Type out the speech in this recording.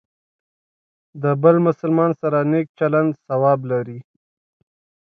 د بل مسلمان سره نیک چلند ثواب لري.